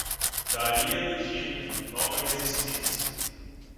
Daria Dugina, Nova Resistência